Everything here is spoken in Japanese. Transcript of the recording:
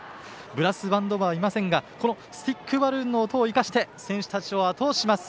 ブラスバンド部はいませんがスティックバルーンの音を生かして選手たちをあと押しします。